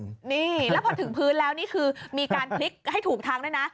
นี่แล้วพอถึงพื้นแล้วนี่คือมีการพลิกให้ถูกทางด้วยนะ